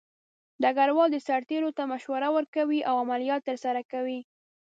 ډګروال د سرتیرو ته مشوره ورکوي او عملیات ترسره کوي.